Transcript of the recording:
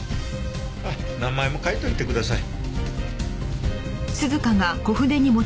名前も書いておいてください。